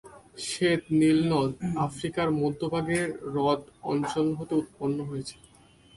শ্বেত নীল নদ আফ্রিকার মধ্যভাগের হ্রদ অঞ্চল হতে উৎপন্ন হয়েছে।